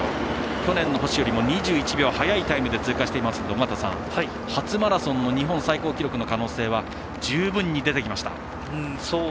去年の星よりも早いタイムで通過していますので、尾方さん初マラソンの日本最高記録の可能性は十分に出てきました。